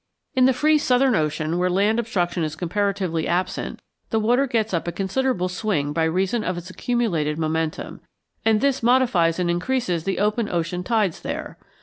In the free Southern Ocean, where land obstruction is comparatively absent, the water gets up a considerable swing by reason of its accumulated momentum, and this modifies and increases the open ocean tides there.